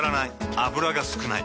油が少ない。